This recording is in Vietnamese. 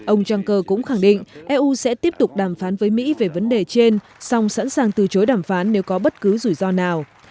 ông juncker cũng khẳng định eu sẽ tiếp tục đàm phán với mỹ về vấn đề trên song sẵn sàng từ chối đàm phán nếu có bất cứ rủi ro nào